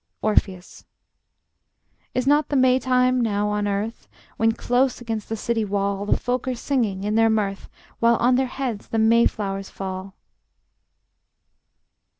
Orpheus: Is not the May time now on earth, When close against the city wall The folk are singing in their mirth, While on their heads the May flowers fall?